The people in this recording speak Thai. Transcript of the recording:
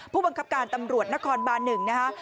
ผู้บังคับการตำรวจนครบาน๑นะคะ